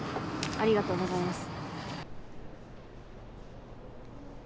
ありがとうございます。